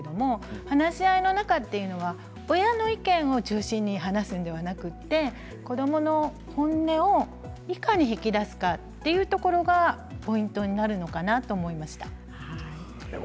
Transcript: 話し合いの中というのは親の意見を中心に話すのではなくて子どもの本音をいかに引き出すかというところがポイントになるのかなと思いました。